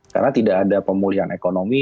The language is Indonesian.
karena tidak ada pemulihan ekonomi